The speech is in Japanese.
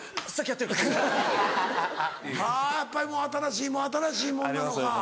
やっぱりもう新しいもの新しいものなのか。